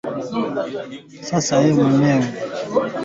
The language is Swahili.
mita hadi kutoka kwa yule aliyeathirika